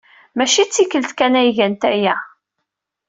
Maci tikkelt kan ay gant aya.